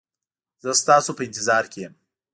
زه ستاسو په انتظار کې یم